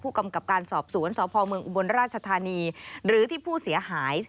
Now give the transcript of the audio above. กำกับการสอบสวนสพเมืองอุบลราชธานีหรือที่ผู้เสียหาย